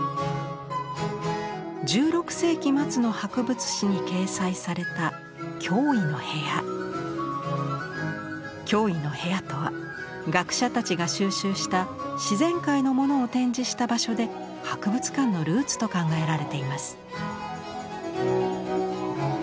１６世紀末の博物誌に掲載された「驚異の部屋」とは学者たちが収集した自然界のものを展示した場所で博物館のルーツと考えられています。